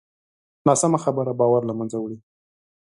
ناسمه خبره باور له منځه وړي